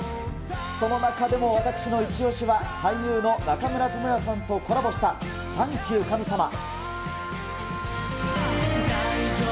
その中でも、私の一押しは、俳優の中村倫也さんとコラボしたサンキュー神様。